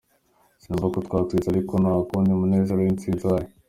Sinumva ko twatsinzwe ariko kandi nta munezero w'intsinzi uhari.